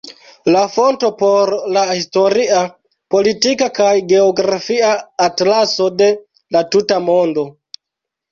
La fonto por la "Historia, Politika kaj Geografia Atlaso de la tuta mondo.